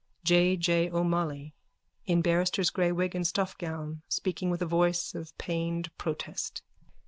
_ J. J. O'MOLLOY: _(In barrister's grey wig and stuffgown, speaking with a voice of pained protest.)